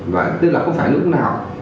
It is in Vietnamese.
và tức là không phải lúc nào